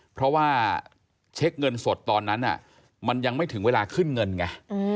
เพราะว่าเช็คเงินสดตอนนั้นมันยังไม่ถึงเวลาขึ้นเงินไง